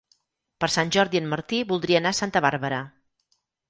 Per Sant Jordi en Martí voldria anar a Santa Bàrbara.